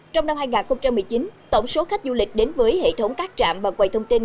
trong năm hai nghìn một mươi chín tổng số khách du lịch đến với hệ thống các trạm và quầy thông tin